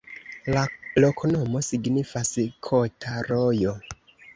La loknomo signifas: kota-rojo.